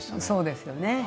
そうですよね。